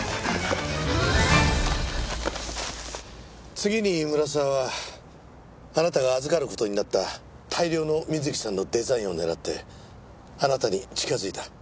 次に村沢はあなたが預かる事になった大量の瑞希さんのデザインを狙ってあなたに近づいた。